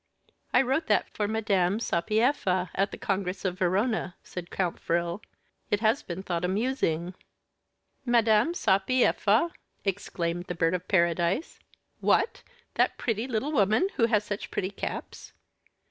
"I wrote that for Madame Sapiepha, at the Congress of Verona," said Count Frill. "It has been thought amusing." "Madame Sapiepha!" exclaimed the Bird of Paradise. "What! that pretty little woman who has such pretty caps?"